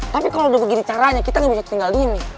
tapi kalo udah begini caranya kita ga bisa tinggalin nih